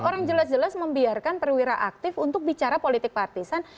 orang jelas jelas membiarkan perwira aktif untuk bicara politik partisan